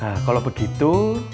nah kalau begitu